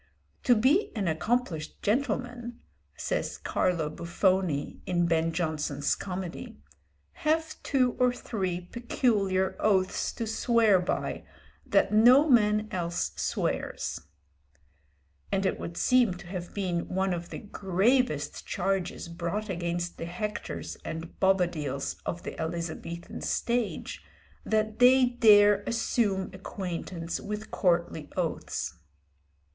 "To be an accomplished gentleman," says Carlo Buffone, in Ben Jonson's comedy, "have two or three peculiar oaths to swear by that no man else swears"; and it would seem to have been one of the gravest charges brought against the Hectors and Bobadils of the Elizabethan stage, that they dare assume acquaintance with courtly oaths.